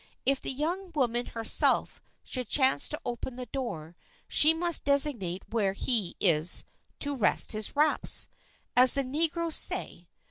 If the young woman herself should chance to open the door, she must designate where he is "to rest his wraps," as the negroes say.